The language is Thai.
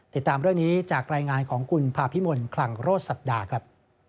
ติดตามเรื่องนี้จากรายงานของคุณภาพิมลคลังโรศศักดาครับ